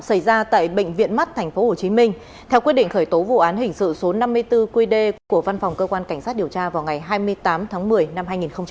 xảy ra tại bệnh viện mắt tp hcm theo quyết định khởi tố vụ án hình sự số năm mươi bốn qd của văn phòng cơ quan cảnh sát điều tra vào ngày hai mươi tám tháng một mươi năm hai nghìn hai mươi